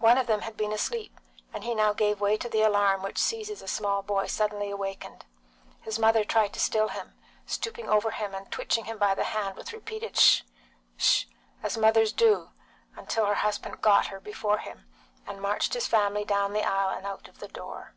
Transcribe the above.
One of them had been asleep, and he now gave way to the alarm which seizes a small boy suddenly awakened. His mother tried to still him, stooping over him and twitching him by the hand, with repeated "Sh! 'sh's!" as mothers do, till her husband got her before him, and marched his family down the aisle and out of the door.